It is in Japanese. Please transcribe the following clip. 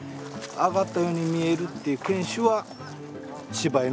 上がったように見えるっていう犬種は柴犬だけです。